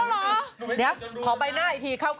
เดี๋ยวพอไปหน้าอีกทีเข้าก็